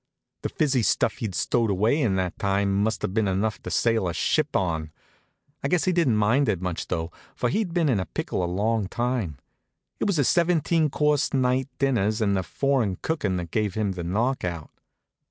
The fizzy stuff he'd stowed away in that time must have been enough to sail a ship on. I guess he didn't mind it much, though, for he'd been in pickle a long time. It was the seventeen course night dinners and the foreign cooking that gave him the knockout.